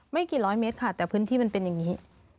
ไม่กี่ร้อยเมตรค่ะแต่พื้นที่มันเป็นอย่างนี้